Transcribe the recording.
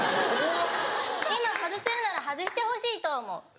今外せるなら外してほしいと思う。